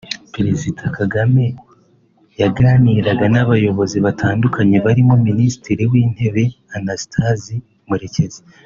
Perezida Kagame yaganiraga n’abayobozi batandukanye barimo Minisitiri w’Intebe Anastase Murekezi